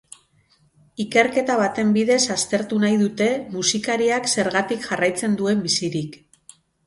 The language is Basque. Ikerketa baten bidez aztertu nahi dute musikariak zergatik jarraitzen duen bizirik.